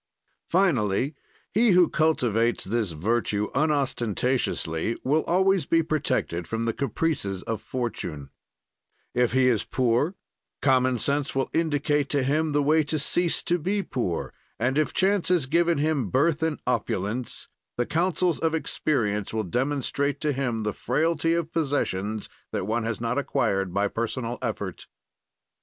"Finally, he who cultivates this virtue unostentatiously will always be protected from the caprices of fortune; if he is poor, common sense will indicate to him the way to cease to be poor, and, if chance has given him birth in opulence, the counsels of experience will demonstrate to him the frailty of possessions that one has not acquired by personal effort."